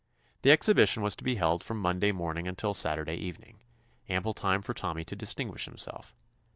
The exhibition was to be held from Monday morning until Saturday even ing — ample time for Tommy to distin guish himself.